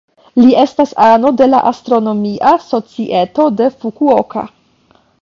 Li estas ano de la Astronomia Societo de Fukuoka.